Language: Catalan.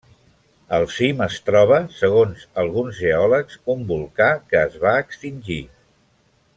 Al cim es troba, segons alguns geòlegs, un volcà que es va extingir.